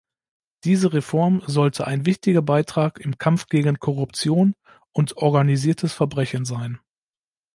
Diese Reform sollte ein wichtiger Beitrag im Kampf gegen Korruption und organisiertes Verbrechen sein.